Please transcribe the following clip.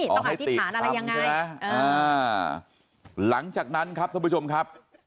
ต้องอธิษฐานอะไรยังไงหลังจากนั้นครับท่านผู้ชมครับ